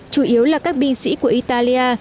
chủ yếu là các binh sĩ của italia